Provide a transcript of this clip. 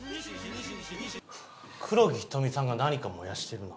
黒木瞳さんが何か燃やしてるな。